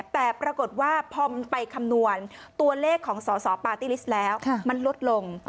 แต่ปรากฏว่าพอมันไปคำนวณตัวเลขของสอสอปาร์ตี้ลิสต์แล้วมันลดลง